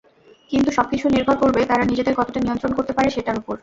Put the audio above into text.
কিন্তু সবকিছু নির্ভর করবে তারা নিজেদের কতটা নিয়ন্ত্রণ করতে পারে সেটার ওপর।